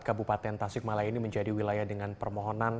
kebupaten tasikmala ini menjadi wilayah dengan permohonan